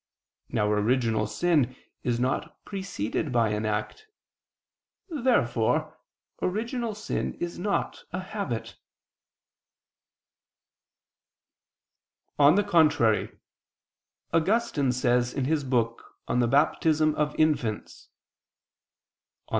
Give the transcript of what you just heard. Now original sin is not preceded by an act. Therefore original sin is not a habit. On the contrary, Augustine says in his book on the Baptism of infants (De Pecc.